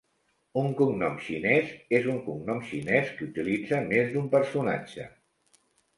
Un cognom xinès és un cognom xinès que utilitza més d'un personatge.